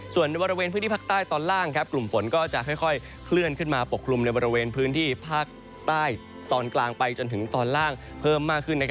ส่วนในบริเวณพื้นที่ภาคใต้ตอนล่างกลุ่มฝนก็จะค่อยเคลื่อนขึ้นมาปกคลุมในบริเวณพื้นที่ภาคใต้ตอนกลางไปจนถึงตอนล่างเพิ่มมากขึ้น